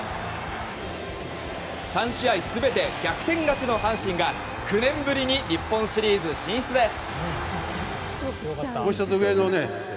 ３試合全て逆転勝ちの阪神が９年ぶりに日本シリーズ進出です。